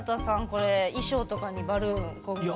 これ衣装とかにバルーンを今後。